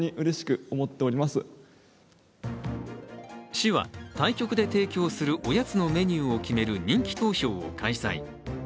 市は、対局で提供するおやつのメニューを決める人気投票を開催。